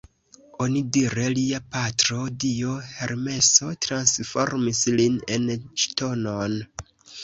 Onidire lia patro, dio Hermeso transformis lin en ŝtonon.